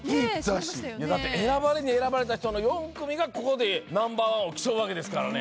だって選ばれに選ばれた人の４組がここでナンバーワンを競うわけですからね。